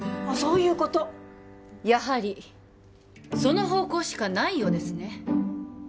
そういうことやはりその方向しかないようですね